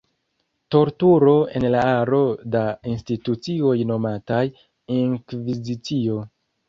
Torturo en la aro da institucioj nomataj “Inkvizicio”.